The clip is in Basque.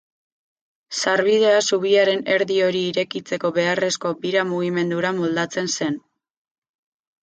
Sarbidea zubiaren erdi hori irekitzeko beharrezko bira-mugimendura moldatzen zen.